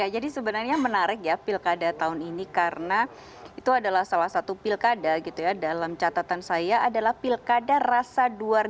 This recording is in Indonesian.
jadi sebenarnya menarik ya pilkada tahun ini karena itu adalah salah satu pilkada dalam catatan saya adalah pilkada rasa dua ribu dua puluh empat